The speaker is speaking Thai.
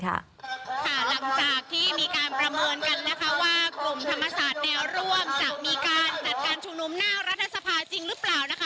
หลังจากที่มีการประเมินกันนะคะว่ากลุ่มธรรมศาสตร์แนวร่วมจะมีการจัดการชุมนุมหน้ารัฐสภาจริงหรือเปล่านะคะ